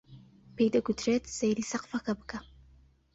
پێی دەگوترێت سەیری سەقفەکە بکە